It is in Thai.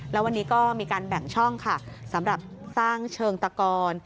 แล้ววันนี้ก็มีการแบ่งช่องค่ะสำหรับสร้างเชิงตะกอน